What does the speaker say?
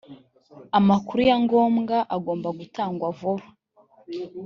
amakuru ya ngombwa agomba gutangwa vuba